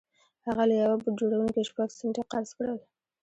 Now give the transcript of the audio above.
هغه له يوه بوټ جوړوونکي شپږ سنټه قرض کړل.